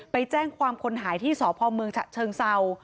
ไปแจ้งความคนหายที่ศพเชิงเศร้า